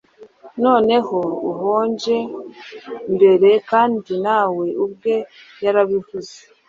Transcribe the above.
Noneho uhonje mbere, kandi nawe ubwe yarabivuze